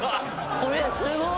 これすごい！